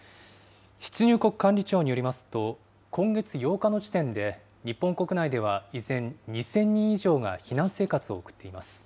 出入国管理庁によりますと、今月８日の時点で、日本国内では依然、２０００人以上が避難生活を送っています。